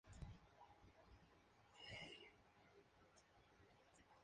Estudió lógica en la Escuela de Lógica del convento de su orden en Lleida.